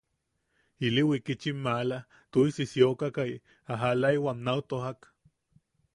Ili wikitchim maala tuʼisi siokakai a jalaʼiwam nau tojak.